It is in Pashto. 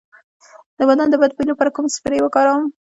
د بدن د بد بوی لپاره کوم سپری وکاروم؟